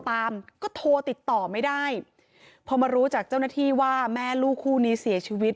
ตามก็โทรติดต่อไม่ได้พอมารู้จากเจ้าหน้าที่ว่าแม่ลูกคู่นี้เสียชีวิต